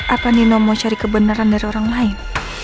apa nino mau cari kebenaran dari orang lain